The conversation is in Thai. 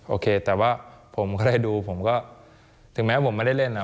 โอเคแต่ว่าผมก็ได้ดูผมก็ถึงแม้ผมไม่ได้เล่นนะ